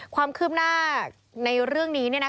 ความคืบหน้าในเรื่องนี้